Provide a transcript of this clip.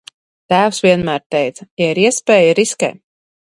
Tēvs vienmēr teica: ja ir iespēja, riskē!